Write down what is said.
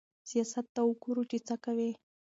سياست ته وګوره چې څه کوي.